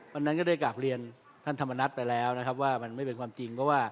วันนั้นก็ได้กลับเรียนท่านธรรมนัฐไปแล้วนะครับว่ามันไม่เป็นความจริงเพราะว่า